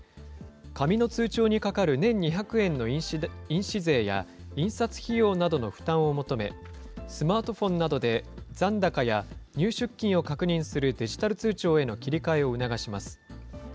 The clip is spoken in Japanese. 紙の通帳にかかる年２００円の印紙税や印刷費用などの負担を求め、スマートフォンなどで残高や入出金を確認するデジタル通帳への切り替えを促します。